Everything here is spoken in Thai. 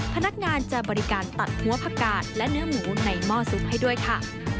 พนักงานจะบริการตัดหัวผักกาดและเนื้อหมูในหม้อซุปให้ด้วยค่ะ